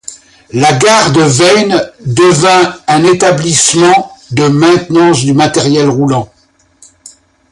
La gare de Veynes devint un établissement de maintenance du matériel roulant.